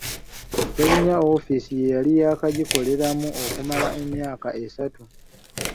Ssebunya ofiice ye yali yaakagikoleramu okumala emyaka esatu.